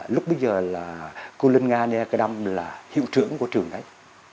lúc bây giờ là cô linh nga nga cái đâm là hiệu trưởng của trường đấy